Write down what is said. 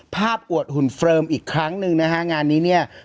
อวดหุ่นเฟรมอีกครั้งหนึ่งนะฮะงานนี้เนี่ย